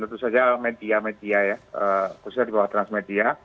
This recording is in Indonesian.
tentu saja media media ya khususnya di bawah transmedia